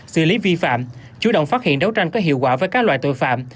xử lý vi phạm chủ động phát hiện đấu tranh có hiệu quả với các loại tội phạm